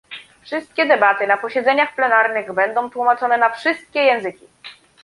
Wszystkie debaty na posiedzeniach plenarnych będą tłumaczone na wszystkie języki